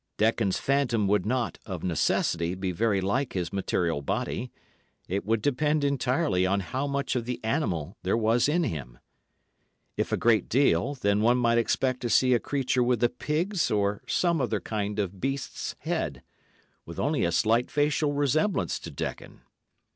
Dekon's phantom would not, of necessity, be very like his material body; it would depend entirely on how much of the animal there was in him; if a great deal, then one might expect to see a creature with a pig's, or some other kind of beast's, head, with only a slight facial resemblance to Dekon.